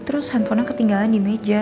terus handphonenya ketinggalan di meja